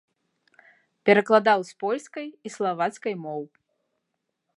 Перакладаў з польскай і славацкай моў.